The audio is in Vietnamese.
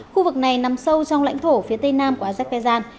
khu vực này nằm sâu trong lãnh thổ phía tây nam của azerbaijan